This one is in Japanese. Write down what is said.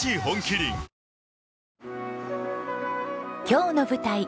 今日の舞台